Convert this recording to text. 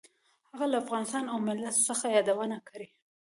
هغه له افغانستان او ملت څخه یادونه کړې.